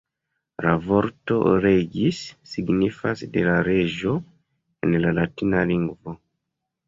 La vorto ""regis"" signifas ""de la reĝo"" en la latina lingvo.